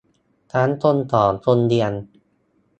ทั้งคนสอนคนเรียน